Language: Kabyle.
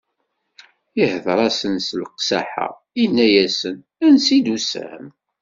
Ihdeṛ-asen s leqsaḥa, inna-asen: Ansi i d-tusam?